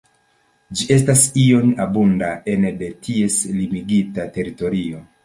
Ĝi estas iom abunda ene de ties limigita teritorio.